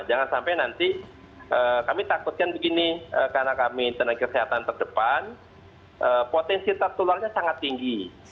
jangan sampai nanti kami takutkan begini karena kami tenaga kesehatan terdepan potensi tertularnya sangat tinggi